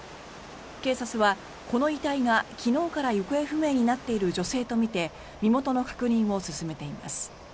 警察は、この遺体が昨日から行方不明になっている女性とみて身元の確認を進めています。